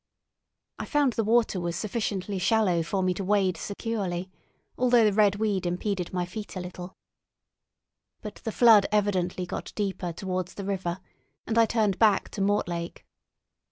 I found the water was sufficiently shallow for me to wade securely, although the red weed impeded my feet a little; but the flood evidently got deeper towards the river, and I turned back to Mortlake.